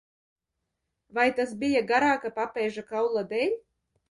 Vai tas bija garāka papēža kaula dēļ?